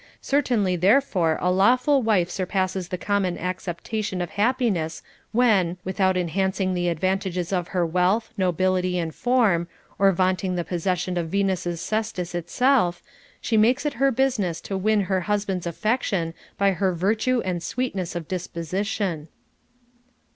Certainly therefore a lawful wife surpasses the common acceptation of hap piness when, without enhancing the advantages of her wealth, nobility, and form, or vaunting the possession of Venus's cestus itself, she makes it her business to win her husband's affection by her virtue and sweetness of dispo sition.